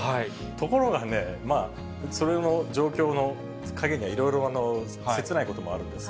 ところがね、それの状況の陰には実はせつないこともあるんです。